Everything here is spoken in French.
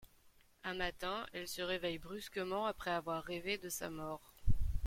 Un matin, elle se réveille brusquement après avoir rêvé de sa mort.